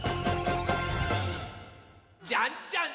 「じゃんじゃん！